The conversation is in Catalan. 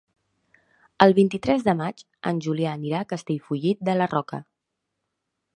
El vint-i-tres de maig en Julià anirà a Castellfollit de la Roca.